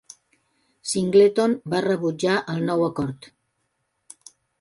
Singleton va rebutjar el nou acord.